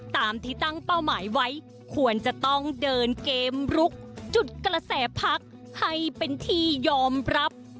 ตามที่ตั้งเป้าหมายไว้ควรจะต้องเดินเกมลุกจุดกระแสพักให้เป็นที่ยอมรับ